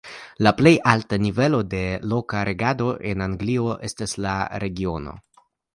La plej alta nivelo de loka regado en Anglio estas la regiono.